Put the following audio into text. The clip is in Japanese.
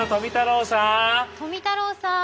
富太郎さん。